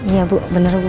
iya bu bener bu